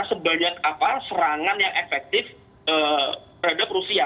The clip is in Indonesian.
sebanyak apa serangan yang efektif terhadap rusia